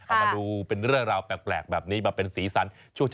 เอามาดูเป็นเรื่องราวแปลกแบบนี้มาเป็นสีสัน